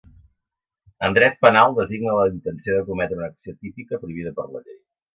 En dret penal designa la intenció de cometre una acció típica prohibida per la llei.